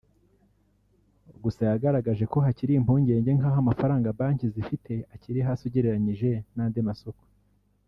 Gusa yagaragaje ko hakiri impungenge nk’aho amafaranga banki zifite akiri hasi ugereranyije n’andi masoko